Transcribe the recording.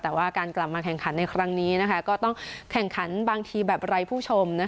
แต่ว่าการกลับมาแข่งขันในครั้งนี้ก็ต้องแข่งขันบางทีแบบไร้ผู้ชม